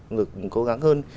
ngược cố gắng hơn